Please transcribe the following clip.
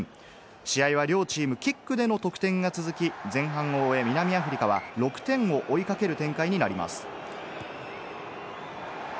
試合は両チームキックでの得点が続き、前半を終え南アフリカは６点を追いかける展開になります。